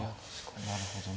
なるほどね。